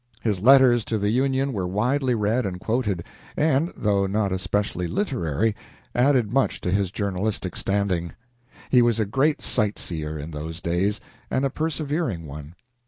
His letters to the "Union" were widely read and quoted, and, though not especially literary, added much to his journalistic standing. He was a great sight seer in those days, and a persevering one.